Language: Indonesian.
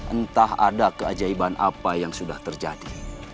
entah ada keajaiban apa yang sudah terjadi